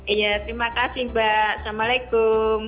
iya terima kasih mbak assalamualaikum